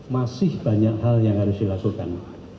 masih banyak hal yang harus dilakukan